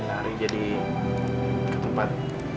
lari jadi ke tempat